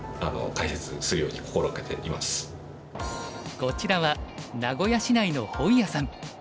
こちらは名古屋市内の本屋さん。